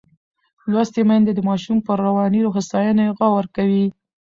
لوستې میندې د ماشوم پر رواني هوساینې غور کوي.